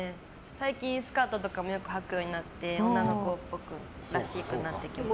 最近スカートとかもよくはくようになって女の子らしくなってきました。